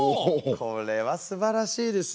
これはすばらしいですね。